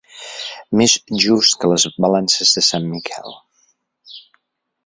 Més just que les balances de sant Miquel.